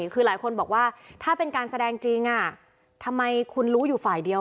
คือหลายคนบอกว่าถ้าเป็นการแสดงจริงทำไมคุณรู้อยู่ฝ่ายเดียว